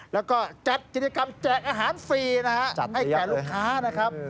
แล้วก็จัดกิจกรรมแจกอาหารฟรีนะฮะให้แก่ลูกค้านะครับ